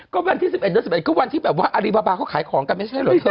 ก็วันที่สิบเอ็ดเดือนสิบเอ็ดก็วันที่แบบว่าอาริบาบาเขาขายของกันไม่ใช่เหรอเธอ